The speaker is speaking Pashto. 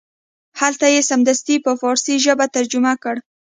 هلته یې سمدستي په فارسي ژبه ترجمه کړ.